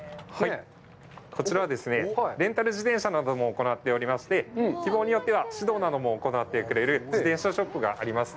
こちらはですね、レンタル自転車を行っておりまして、希望によっては、指導なども行ってくれる自転車ショップがあります。